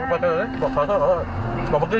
เปิดไฟขอทางออกมาแล้วอ่ะ